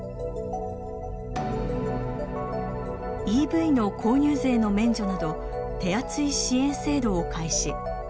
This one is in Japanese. ＥＶの購入税の免除など手厚い支援制度を開始。